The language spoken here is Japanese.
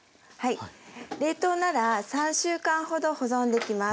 冷凍なら３週間ほど保存できます。